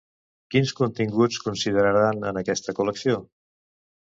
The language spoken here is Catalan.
Quins continguts consideraran en aquesta col·lecció?